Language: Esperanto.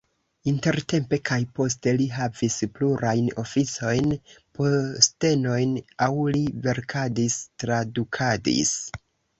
Intertempe kaj poste li havis plurajn oficojn, postenojn aŭ li verkadis, tradukadis.